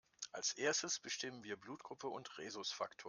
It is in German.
Als Erstes bestimmen wir Blutgruppe und Rhesusfaktor.